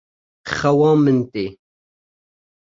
Xewa min tê.